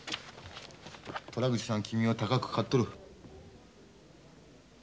虎口さん君を高く買っとる。